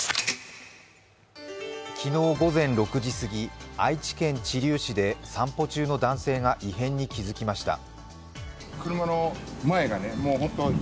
昨日、午前６時すぎ愛知県知立市で散歩中の男性が異変に気付きました。